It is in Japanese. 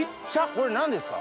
これ何ですか？